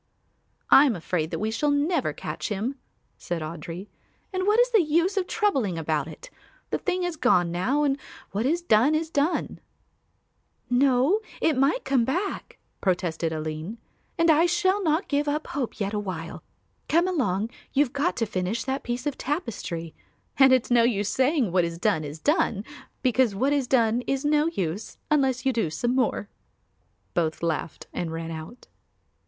"I am afraid that we shall never catch him," said Audry, "and what is the use of troubling about it? The thing is gone now and what is done is done." "No, it might come back," protested Aline, "and I shall not give up hope yet awhile. Come along, you have got to finish that piece of tapestry and it's no use saying what is done is done, because what is done is no use, unless you do some more." Both laughed and ran out.